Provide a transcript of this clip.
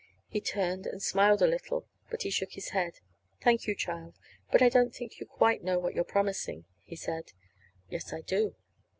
He turned and smiled a little, but he shook his head. "Thank you, child; but I don't think you know quite what you're promising," he said. "Yes, I do."